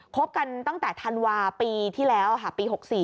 คบกันตั้งแต่ธันวาปีที่แล้วค่ะปี๖๔